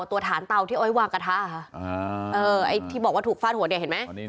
ตัวฐานเตาที่เอาไว้วางกระทะค่ะไอ้ที่บอกว่าถูกฟาดหัวเนี่ยเห็นไหม